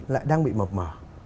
lại đang bị mập mở